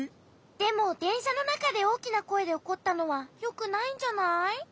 でもでんしゃのなかでおおきなこえでおこったのはよくないんじゃない？